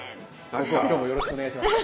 国王今日もよろしくお願いします。